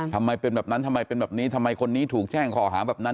ทำไมเป็นแบบนั้นทำไมเป็นแบบนี้ทำไมคนนี้ถูกแจ้งข้อหาแบบนั้น